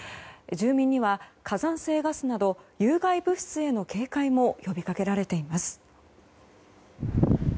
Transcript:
住民には火山性ガスなど有害物質への警戒も呼びかけられています。